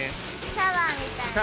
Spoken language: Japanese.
シャワーみたい。